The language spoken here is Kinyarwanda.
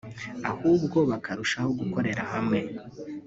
ahubwo bakarushaho gukorera hamwe